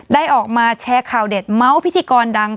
ได้ออกมาแชร์ข่าวเด็ดเมาส์พิธีกรดัง